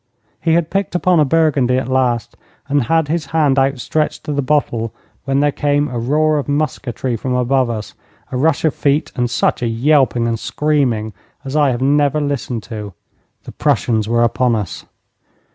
He had picked upon a Burgundy at last, and had his hand outstretched to the bottle when there came a roar of musketry from above us, a rush of feet, and such a yelping and screaming as I have never listened to. The Prussians were upon us!